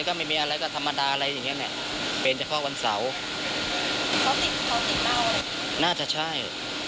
เขาติดเง่าน่าจะใช่